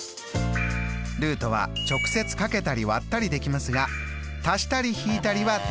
ルートは直接かけたり割ったりできますが足したり引いたりはできません。